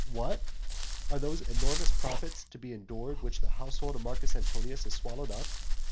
What? are those enormous profits to be endured which the household of Marcus Antonius has swallowed up?